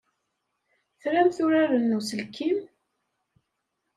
Tramt uraren n uselkim?